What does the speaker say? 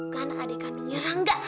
kan adik kandungnya rangga